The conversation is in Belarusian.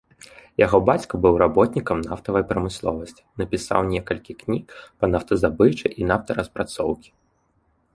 Яго бацька быў работнікам нафтавай прамысловасці, напісаў некалькі кніг па нафтаздабычы і нафтараспрацоўкі.